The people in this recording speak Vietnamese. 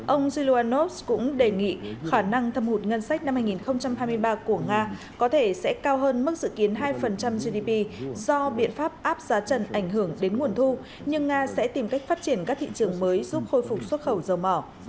ông zellus cũng đề nghị khả năng thâm hụt ngân sách năm hai nghìn hai mươi ba của nga có thể sẽ cao hơn mức dự kiến hai gdp do biện pháp áp giá trần ảnh hưởng đến nguồn thu nhưng nga sẽ tìm cách phát triển các thị trường mới giúp khôi phục xuất khẩu dầu mỏ